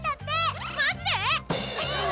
マジで！